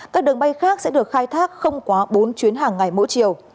các đường bay khác sẽ được khai thác không quá bốn chuyến hàng ngày mỗi chiều